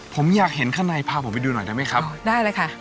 ผมอยากเห็นข้างในพาผมไปดูหน่อยได้ไหมครับได้เลยค่ะ